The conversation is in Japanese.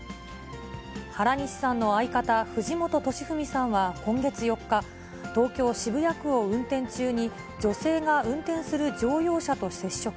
原西さんの相方、藤本敏史さんは今月４日、東京・渋谷区を運転中に、女性が運転する乗用車と接触。